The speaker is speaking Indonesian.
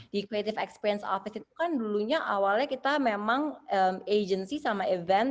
di creative experience office itu kan dulunya awalnya kita memang agency sama event